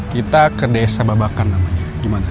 kita ke desa babakan namanya gimana